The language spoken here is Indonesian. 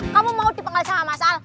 kamu mau dipenggal sama mas al